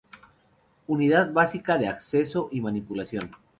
Unidad básica de acceso y manipulación.